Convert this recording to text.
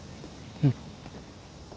うん。